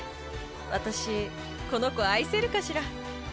私この子愛せるかしら？